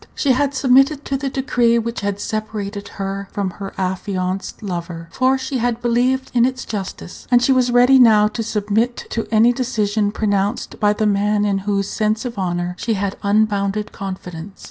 She had submitted to the decree which had separated her from her affianced lover, for she had believed in its justice; and she was ready now to submit to any decision pronounced by the man in whose sense of honor she had unbounded confidence.